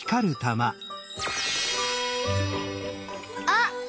あっ！